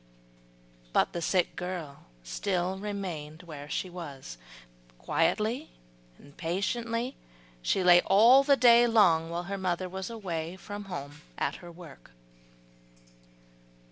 But the sick girl still remained where she was, quietly and patiently she lay all the day long, while her mother was away from home at her work.